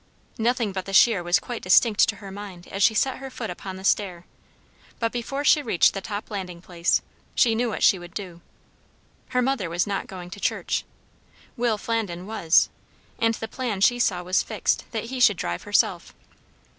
Nothing but the sheer was quite distinct to her mind as she set her foot upon the stair; but before she reached the top landing place, she knew what she would do. Her mother was not going to church; Will Flandin was; and the plan, she saw, was fixed, that he should drive herself.